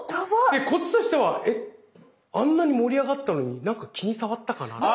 でこっちとしてはあんなに盛り上がったのに何か気に障ったかなって。